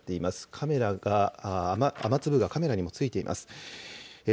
カメラが、雨粒がカメラにもついています。